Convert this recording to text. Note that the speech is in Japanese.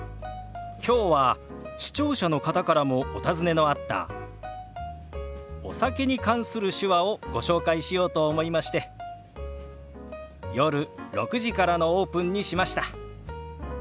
きょうは視聴者の方からもお尋ねのあったお酒に関する手話をご紹介しようと思いまして夜６時からのオープンにしました。